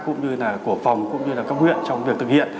cũng như là cổ phòng cũng như là các nguyện trong việc thực hiện